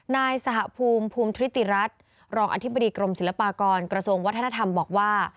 นายสหภูมิภูมิทริติรัฐรองอธิบดีกรมศิลปากรกระทรวงวัฒนธรรมบอกว่า